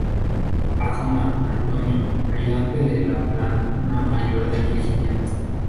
Arjona, Antonio, Ayudante de la Plana Mayor del Regimiento.